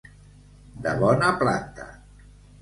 De bona planta.